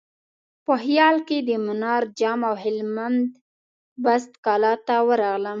په خیال کې د منار جام او هلمند بست کلا ته ورغلم.